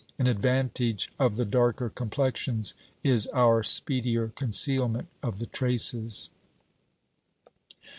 An advantage of the darker complexions is our speedier concealment of the traces.'